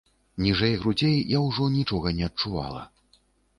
Ніжэй грудзей я ўжо нічога не адчувала.